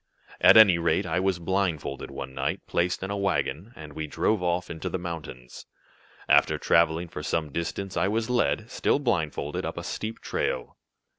At any rate I was blindfolded one night, placed in a wagon, and we drove off into the mountains. After traveling for some distance I was led, still blindfolded, up a steep trail.